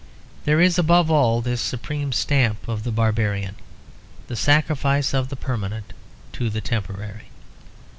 There is above all this supreme stamp of the barbarian; the sacrifice of the permanent to the temporary.